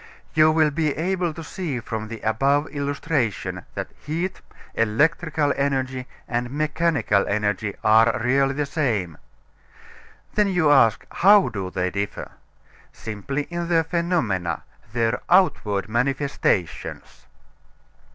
You will be able to see from the above illustration that heat, electrical energy, and mechanical energy are really the same. Then you ask, how do they differ? Simply in their phenomena their outward manifestations.